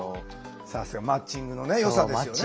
マッチングのよさですよね